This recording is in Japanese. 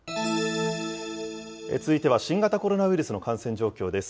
続いては新型コロナウイルスの感染状況です。